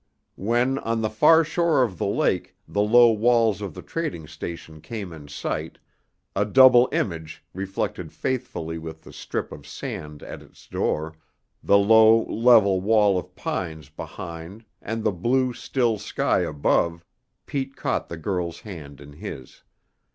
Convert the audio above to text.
When, on the far shore of the lake, the low walls of the trading station came in sight, a double image, reflected faithfully with the strip of sand at its door, the low, level wall of pines behind and the blue, still sky above, Pete caught the girl's hand in his.